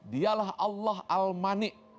dialah allah al mani